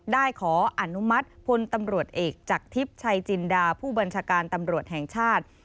ขออนุมัติพลตำรวจเอกจากทิพย์ชัยจินดาผู้บัญชาการตำรวจแห่งชาติ